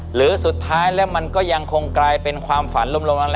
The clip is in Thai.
หรือสุดท้ายแล้วมันก็ยังคงกลาย